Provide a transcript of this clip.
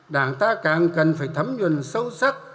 đảng ta càng cần phải thấm nhuận sâu sắc